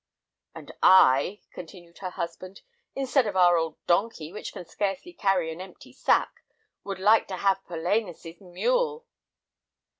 "And I," continued her husband, "instead of our old donkey, which can scarcely carry an empty sack, would like to have Polainas's mule!"